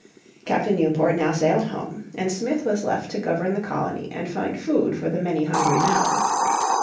Captain Newport now sailed home, and Smith was left to govern the colony and find food for the many hungry mouths.